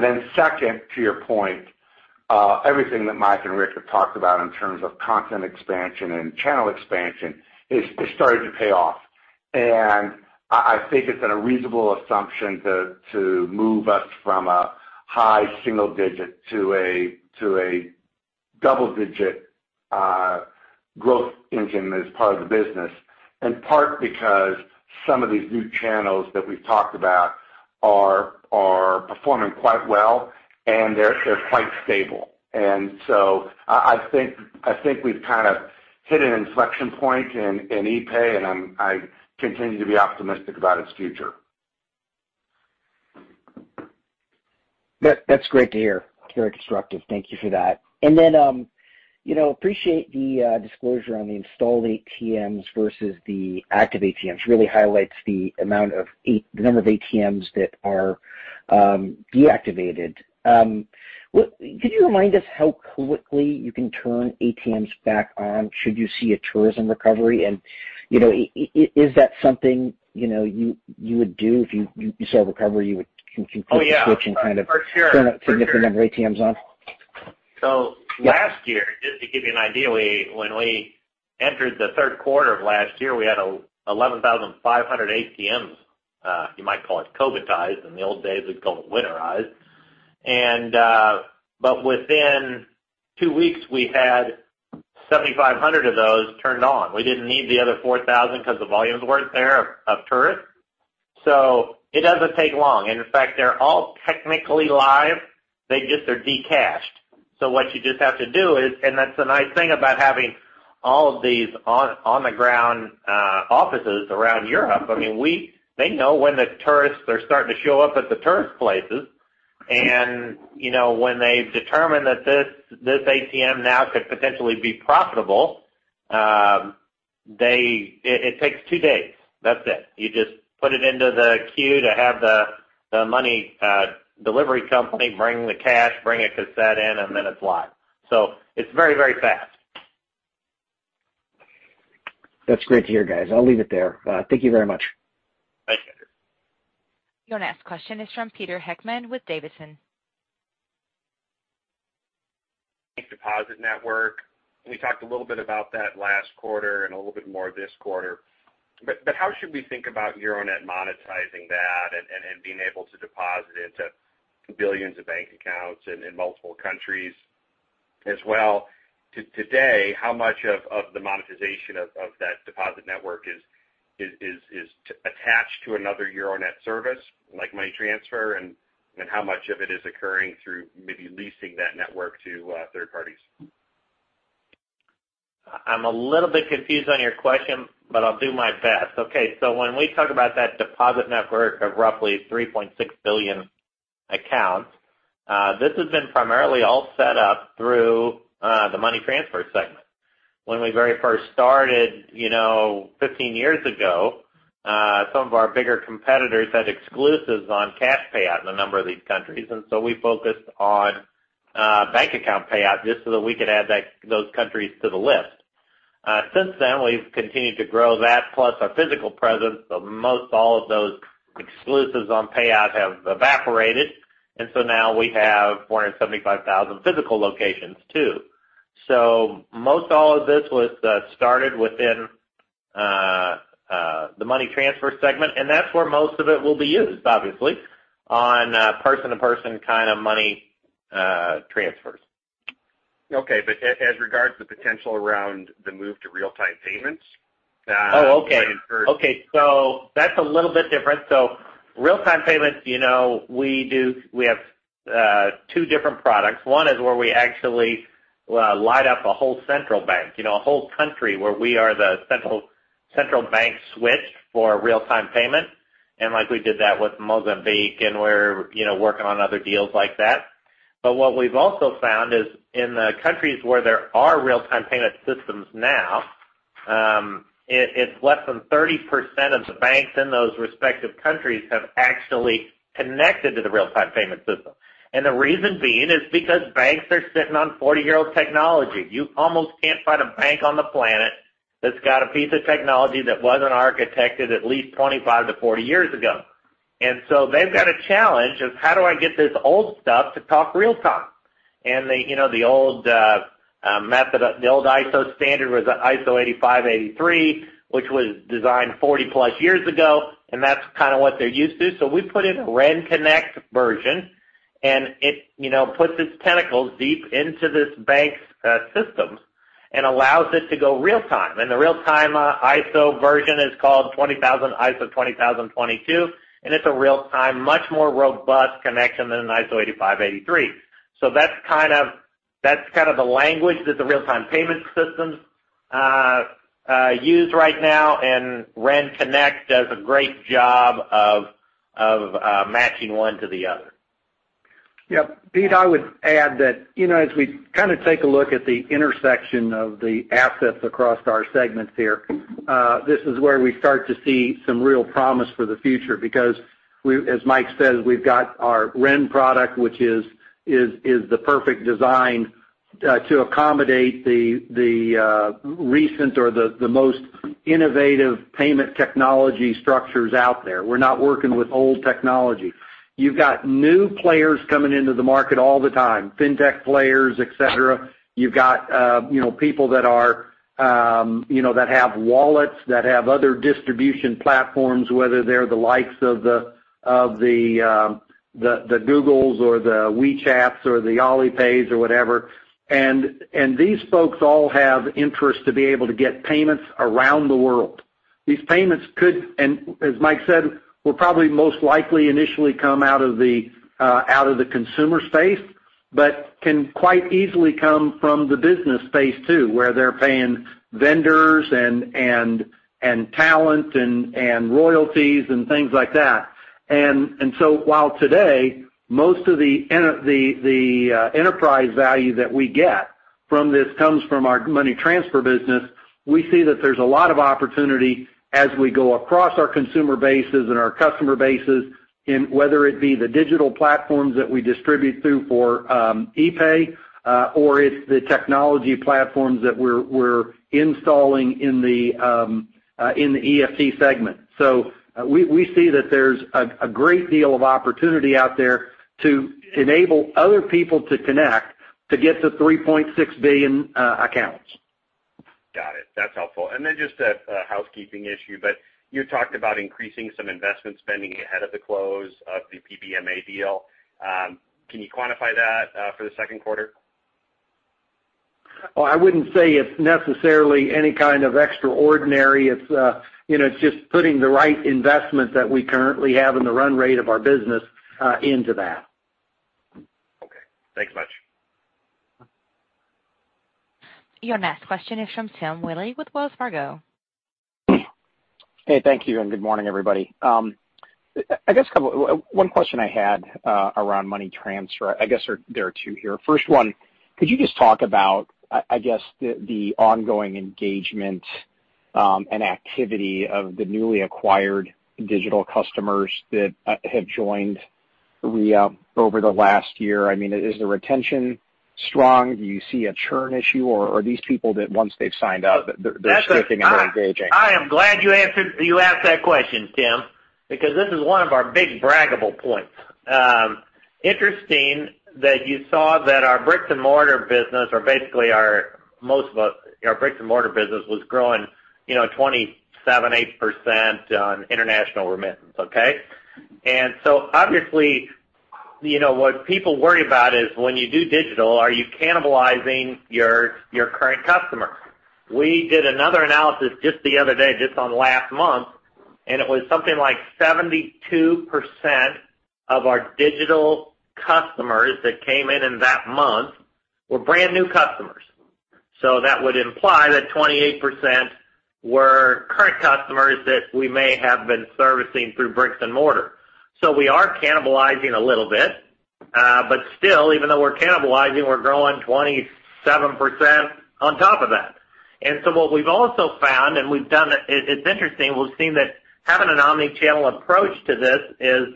Then second, to your point, everything that Mike and Rick have talked about in terms of content expansion and channel expansion is starting to pay off. I think it's been a reasonable assumption to move us from a high single-digit to a double-digit growth engine as part of the business, in part because some of these new channels that we've talked about are performing quite well, and they're quite stable. I think we've kind of hit an inflection point in epay, and I continue to be optimistic about its future. That's great to hear. Very constructive. Thank you for that. Appreciate the disclosure on the installed ATMs versus the active ATMs. Really highlights the number of ATMs that are deactivated. Could you remind us how quickly you can turn ATMs back on should you see a tourism recovery? Is that something you would do if you saw recovery? Oh, yeah. kind of turn a significant number of ATMs on? Last year, just to give you an idea, when we entered the third quarter of last year, we had 11,500 ATMs, you might call it COVID-ized. In the old days, we'd call it winterized. Within two weeks, we had 7,500 of those turned on. We didn't need the other 4,000 because the volumes weren't there of tourists. It doesn't take long. In fact, they're all technically live. They just are de-cashed. What you just have to do is. That's the nice thing about having all of these on-the-ground offices around Europe. They know when the tourists are starting to show up at the tourist places. When they've determined that this ATM now could potentially be profitable, it takes two days. That's it. You just put it into the queue to have the money delivery company bring the cash, bring a cassette in, and then it's live. It's very, very fast. That's great to hear, guys. I'll leave it there. Thank you very much. Thanks, Andrew. Your next question is from Peter Heckmann with Davidson. Deposit network. We talked a little bit about that last quarter and a little bit more this quarter. How should we think about Euronet monetizing that and being able to deposit into billions of bank accounts in multiple countries as well? Today, how much of the monetization of that deposit network is attached to another Euronet service, like money transfer, and how much of it is occurring through maybe leasing that network to third parties? I'm a little bit confused on your question, but I'll do my best. When we talk about that deposit network of roughly 3.6 billion accounts, this has been primarily all set up through the Money Transfer segment. When we very first started 15 years ago, some of our bigger competitors had exclusives on cash payout in a number of these countries. We focused on bank account payout just so that we could add those countries to the list. Since then, we've continued to grow that, plus our physical presence, but most all of those exclusives on payout have evaporated. Now we have 475,000 physical locations too. Most all of this was started within the Money Transfer segment, and that's where most of it will be used, obviously, on person-to-person kind of money transfers. Okay. As regards the potential around the move to real-time payments. Oh, okay. I encourage- That's a little bit different. Real-time payments, we have two different products. One is where we actually light up a whole central bank, a whole country where we are the central bank switch for real-time payment. Like we did that with Mozambique and we're working on other deals like that. What we've also found is in the countries where there are real-time payment systems now, it's less than 30% of the banks in those respective countries have actually connected to the real-time payment system. The reason being is because banks are sitting on 40-year-old technology. You almost can't find a bank on the planet that's got a piece of technology that wasn't architected at least 25-40 years ago. They've got a challenge of how do I get this old stuff to talk real time? The old ISO standard was ISO 8583, which was designed 40-plus years ago, and that's kind of what they're used to. We put in a REN Connect version, and it puts its tentacles deep into this bank's systems and allows it to go real-time. The real-time ISO version is called ISO 20022, and it's a real-time, much more robust connection than an ISO 8583. That's kind of the language that the real-time payment systems use right now, and REN Connect does a great job of matching one to the other. Yep. Peter, I would add that as we kind of take a look at the intersection of the assets across our segments here, this is where we start to see some real promise for the future because we, as Mike says, we've got our REN product, which is the perfect design to accommodate the recent or the most innovative payment technology structures out there. We're not working with old technology. You've got new players coming into the market all the time, fintech players, et cetera. You've got people that have wallets, that have other distribution platforms, whether they're the likes of the Googles or the WeChat or the Alipay or whatever. These folks all have interest to be able to get payments around the world. These payments could, and as Mike said, will probably most likely initially come out of the consumer space, but can quite easily come from the business space too, where they're paying vendors and talent and royalties and things like that. While today most of the enterprise value that we get from this comes from our money transfer business, we see that there's a lot of opportunity as we go across our consumer bases and our customer bases in whether it be the digital platforms that we distribute through for epay, or it's the technology platforms that we're installing in the EFT segment. We see that there's a great deal of opportunity out there to enable other people to connect to get to 3.6 billion accounts. Got it. That's helpful. Just a housekeeping issue, but you talked about increasing some investment spending ahead of the close of the PBMA deal. Can you quantify that for the second quarter? Well, I wouldn't say it's necessarily any kind of extraordinary. It's just putting the right investment that we currently have in the run rate of our business into that. Okay. Thanks much. Your next question is from Tim Willi with Wells Fargo. Hey, thank you. Good morning, everybody. One question I had around money transfer. I guess there are two here. First one, could you just talk about, I guess the ongoing engagement and activity of the newly acquired digital customers that have joined Ria over the last year? Is the retention strong? Do you see a churn issue? Are these people that once they've signed up, they're sticking and they're engaging? This is one of our big braggable points. Interesting that you saw that our bricks-and-mortar business was growing 27.8% on international remittance. Obviously, what people worry about is when you do digital, are you cannibalizing your current customer? We did another analysis just the other day, just on last month, it was something like 72% of our digital customers that came in in that month were brand-new customers. That would imply that 28% were current customers that we may have been servicing through bricks-and-mortar. We are cannibalizing a little bit. Still, even though we're cannibalizing, we're growing 27% on top of that. What we've also found, and it's interesting, we've seen that having an omni-channel approach to this is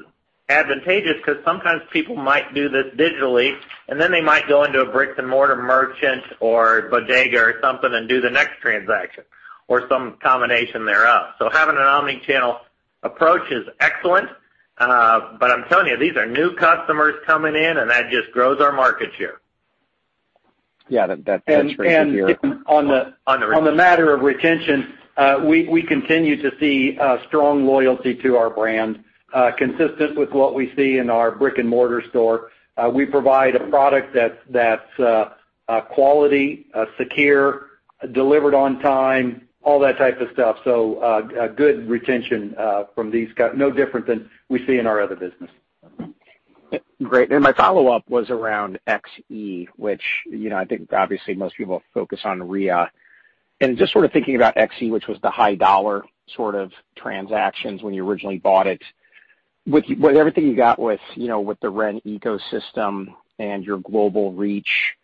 advantageous because sometimes people might do this digitally, and then they might go into a bricks and mortar merchant or bodega or something and do the next transaction, or some combination thereof. Having an omnichannel approach is excellent. I'm telling you, these are new customers coming in, and that just grows our market share. Yeah. That's great to hear. On the matter of retention, we continue to see strong loyalty to our brand, consistent with what we see in our brick-and-mortar store. We provide a product that's quality, secure, delivered on time, all that type of stuff. Good retention from these cus-- no different than we see in our other business. Great. My follow-up was around Xe, which I think obviously most people focus on Ria. Just sort of thinking about Xe, which was the high dollar sort of transactions when you originally bought it. With everything you got with the REN ecosystem and your global reach,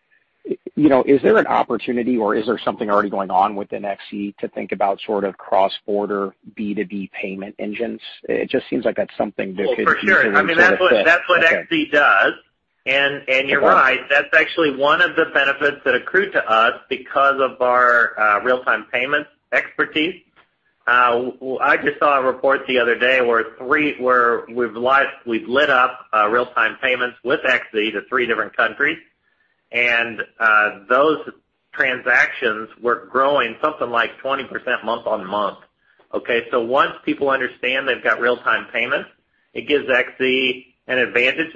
is there an opportunity or is there something already going on within Xe to think about sort of cross-border B2B payment engines? It just seems like that's something that could easily sort of fit. For sure. I mean, that's what Xe does. You're right, that's actually one of the benefits that accrue to us because of our real-time payments expertise. I just saw a report the other day where we've lit up real-time payments with Xe to three different countries. Those transactions were growing something like 20% month-on-month. Okay? Once people understand they've got real-time payments, it gives Xe an advantage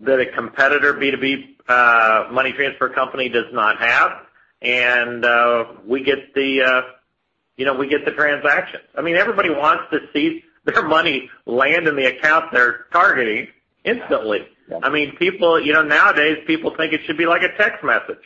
that a competitor B2B money transfer company does not have. We get the transaction. I mean, everybody wants to see their money land in the account they're targeting instantly. I mean, nowadays, people think it should be like a text message.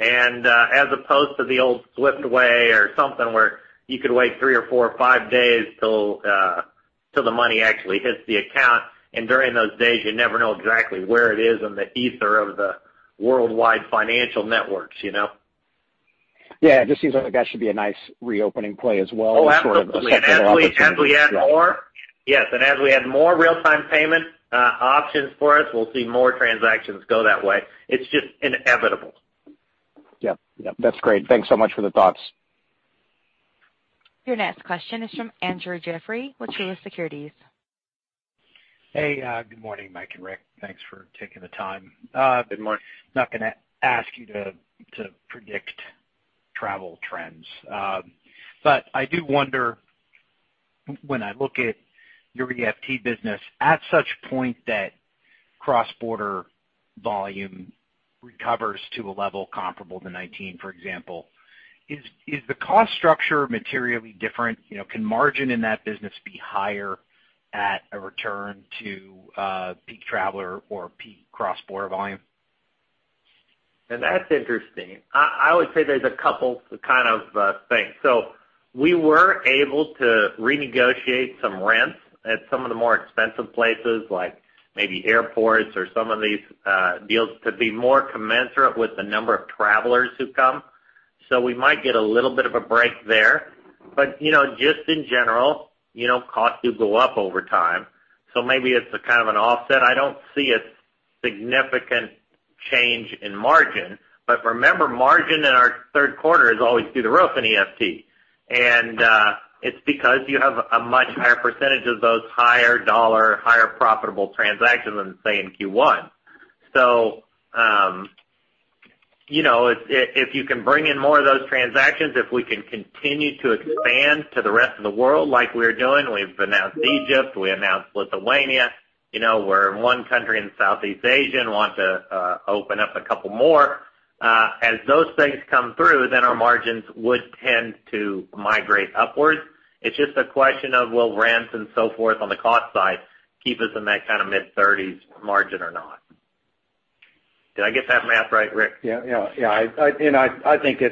As opposed to the old SWIFT way or something where you could wait three or four or five days till the money actually hits the account. During those days, you never know exactly where it is in the ether of the worldwide financial networks. Yeah. It just seems like that should be a nice reopening play as well. Oh, absolutely. Sort of a separate opportunity. Yeah. Yes. As we add more real-time payment options for us, we'll see more transactions go that way. It's just inevitable. Yep. That's great. Thanks so much for the thoughts. Your next question is from Andrew Jeffrey with Truist Securities. Hey, good morning, Mike and Rick. Thanks for taking the time. Good morning. I'm not going to ask you to predict travel trends. I do wonder when I look at your EFT business, at such point that cross-border volume recovers to a level comparable to 2019, for example, is the cost structure materially different? Can margin in that business be higher at a return to peak traveler or peak cross-border volume? That's interesting. I always say there's a couple kind of things. We were able to renegotiate some rents at some of the more expensive places, like maybe airports or some of these deals, to be more commensurate with the number of travelers who come. We might get a little bit of a break there. Just in general, costs do go up over time. Maybe it's a kind of an offset. I don't see a significant change in margin. Remember, margin in our third quarter is always through the roof in EFT. It's because you have a much higher percentage of those higher dollar, higher profitable transactions than, say, in Q1. If you can bring in more of those transactions, if we can continue to expand to the rest of the world like we're doing, we've announced Egypt, we announced Lithuania, we're in one country in Southeast Asia and want to open up a couple more. As those things come through, then our margins would tend to migrate upwards. It's just a question of will rents and so forth on the cost side keep us in that kind of mid-thirties margin or not. Did I get that math right, Rick? I think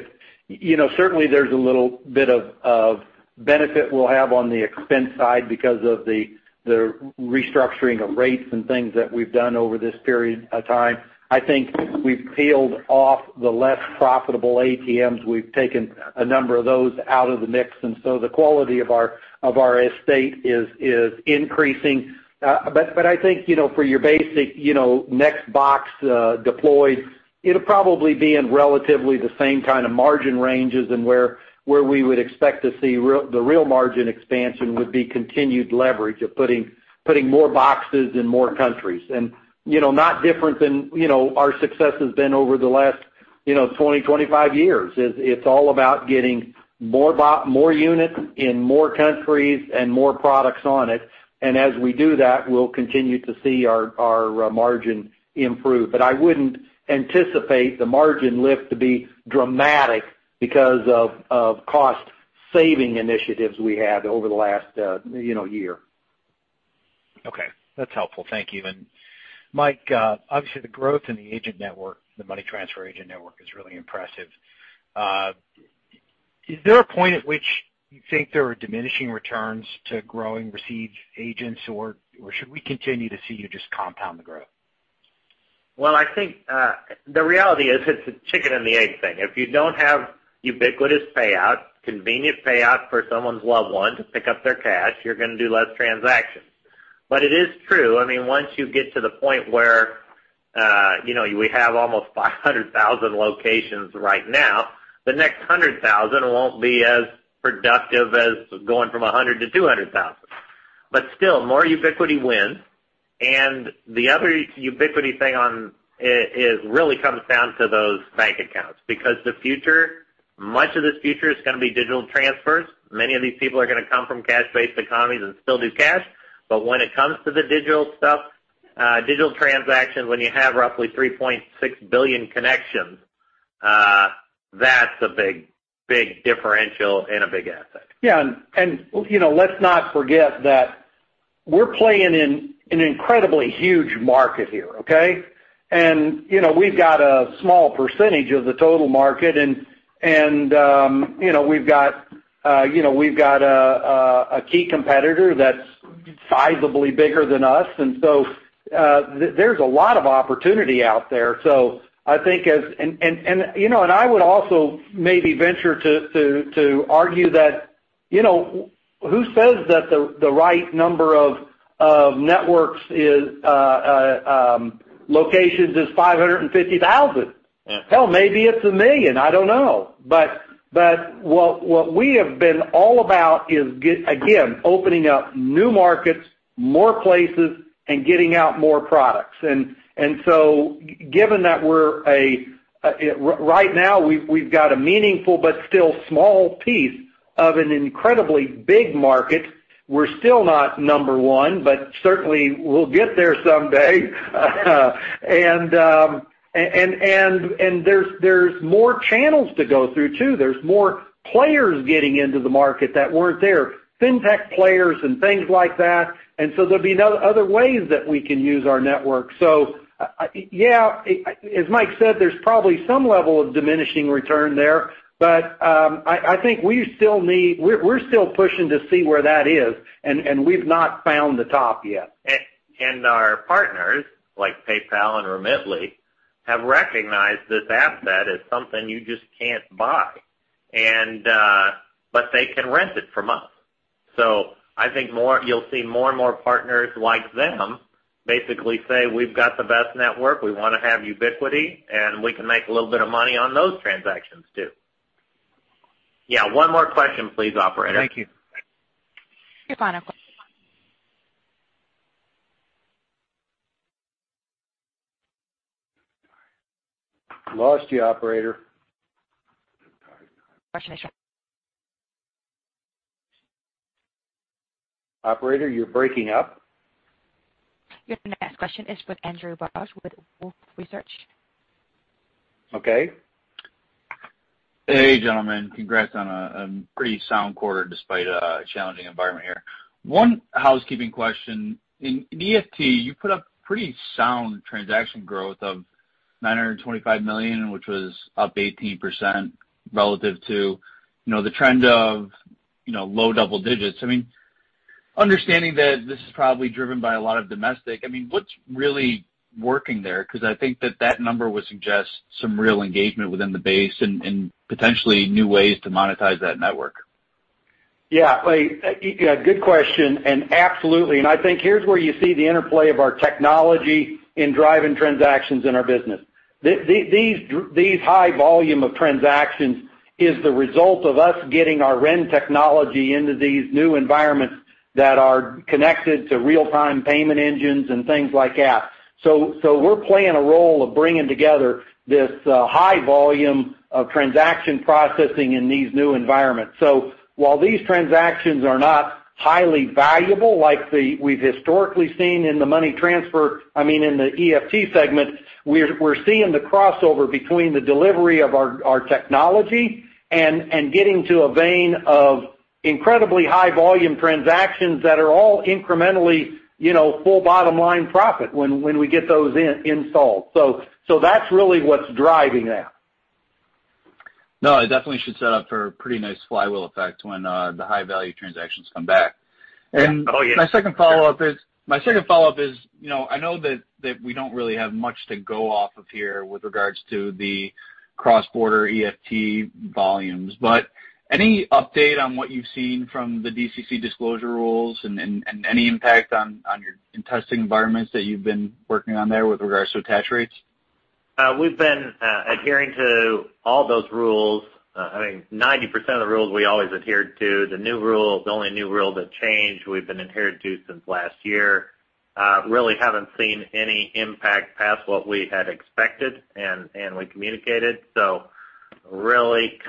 certainly there's a little bit of benefit we'll have on the expense side because of the restructuring of rates and things that we've done over this period of time. I think we've peeled off the less profitable ATMs. We've taken a number of those out of the mix. The quality of our estate is increasing. I think for your basic next box deployed, it'll probably be in relatively the same kind of margin ranges and where we would expect to see the real margin expansion would be continued leverage of putting boxes in more countries. Not different than our success has been over the last 20-25 years. It's all about getting more units in more countries and more products on it. As we do that, we'll continue to see our margin improve. I wouldn't anticipate the margin lift to be dramatic because of cost saving initiatives we had over the last year. Okay. That's helpful. Thank you. Mike, obviously the growth in the agent network, the money transfer agent network is really impressive. Is there a point at which you think there are diminishing returns to growing receive agents, or should we continue to see you just compound the growth? Well, I think, the reality is it's a chicken and the egg thing. If you don't have ubiquitous payout, convenient payout for someone's loved one to pick up their cash, you're going to do less transactions. It is true, once you get to the point where, we have almost 500,000 locations right now. The next 100,000 won't be as productive as going from 100 to 200,000. Still, more ubiquity wins, and the other ubiquity thing on, it really comes down to those bank accounts, because the future, much of this future is going to be digital transfers. Many of these people are going to come from cash-based economies and still do cash. When it comes to the digital stuff, digital transactions, when you have roughly 3.6 billion connections, that's a big, big differential and a big asset. Yeah. Let's not forget that we're playing in an incredibly huge market here, okay? We've got a small percentage of the total market, and we've got a key competitor that's sizably bigger than us. There's a lot of opportunity out there. I think and I would also maybe venture to argue that, who says that the right number of networks is locations is 550,000? Yeah. Hell, maybe it's a million. I don't know. What we have been all about is, again, opening up new markets, more places, and getting out more products. Given that we're right now, we've got a meaningful but still small piece of an incredibly big market. We're still not number one, but certainly we'll get there someday. There's more channels to go through too. There's more players getting into the market that weren't there. Fintech players and things like that. There'll be other ways that we can use our network. Yeah, as Mike said, there's probably some level of diminishing return there. I think we're still pushing to see where that is, and we've not found the top yet. Our partners, like PayPal and Remitly, have recognized this asset as something you just can't buy. They can rent it from us. I think you'll see more and more partners like them basically say, we've got the best network. We want to have ubiquity, and we can make a little bit of money on those transactions too. Yeah. One more question, please, operator. Thank you. Your final Lost you, operator. Question Operator, you're breaking up. Your next question is with Andrew Barasch with Wolfe Research. Okay. Hey, gentlemen. Congrats on a pretty sound quarter despite a challenging environment here. One housekeeping question. In EFT, you put up pretty sound transaction growth of 925 million, which was up 18% relative to the trend of low double digits. Understanding that this is probably driven by a lot of domestic, what's really working there? I think that that number would suggest some real engagement within the base and potentially new ways to monetize that network. Yeah. Good question. Absolutely. I think here's where you see the interplay of our technology in driving transactions in our business. These high volume of transactions is the result of us getting our REN technology into these new environments that are connected to real-time payment engines and things like that. We're playing a role of bringing together this high volume of transaction processing in these new environments. While these transactions are not highly valuable like we've historically seen in the money transfer, I mean, in the EFT segment, we're seeing the crossover between the delivery of our technology and getting to a vein of incredibly high volume transactions that are all incrementally full bottom line profit when we get those installed. That's really what's driving that. No, it definitely should set up for a pretty nice flywheel effect when the high-value transactions come back. Oh, yeah. My second follow-up is, I know that we don't really have much to go off of here with regards to the cross-border EFT volumes, but any update on what you've seen from the DCC disclosure rules and any impact on your testing environments that you've been working on there with regards to attach rates? We've been adhering to all those rules. I think 90% of the rules we always adhered to. The new rules, the only new rule that changed, we've been adhering to since last year. Really haven't seen any impact past what we had expected and we communicated. Really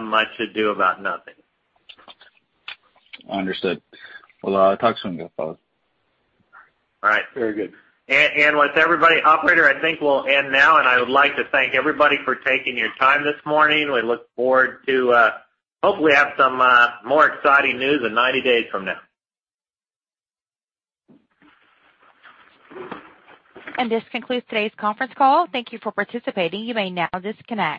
much to-do about nothing. Understood. Well, talk soon. Goodbye. All right. Very good. With everybody, operator, I think we'll end now, and I would like to thank everybody for taking your time this morning. We look forward to hopefully have some more exciting news in 90 days from now. This concludes today's conference call. Thank you for participating. You may now disconnect.